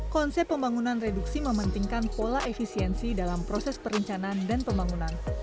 konsep pembangunan reduksi mementingkan pola efisiensi dalam proses perencanaan dan pembangunan